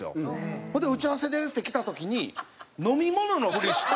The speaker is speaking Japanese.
それで「打ち合わせです」って来た時に飲み物のふりして。